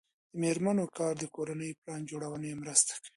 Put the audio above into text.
د میرمنو کار د کورنۍ پلان جوړونې مرسته کوي.